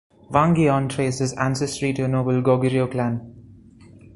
Wang Geon traced his ancestry to a noble Goguryeo clan.